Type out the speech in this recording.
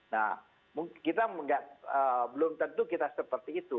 nah kita belum tentu kita seperti itu